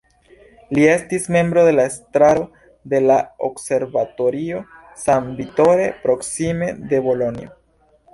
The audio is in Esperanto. Li estis membro de la estraro de la Observatorio San Vittore proksime de Bolonjo.